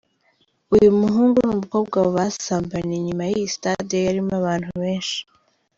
uyu muhungu n’umukobwa basambaniye inyuma y’iyi stade yarimo abantu benshi.